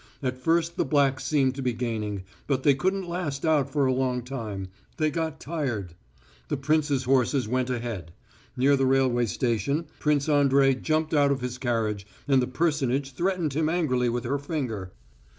At first the blacks seemed to be gaining, but they couldn't last out for a long time, they got tired. The prince's horses went ahead. Near the railway station, Prince Andrey jumped out of his carriage, and the personage threatened him angrily with her finger.